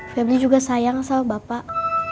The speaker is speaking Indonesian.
femi juga sayang sama bapak